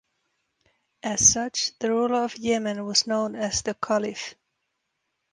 As such, the ruler of Yemen was known as the Caliph.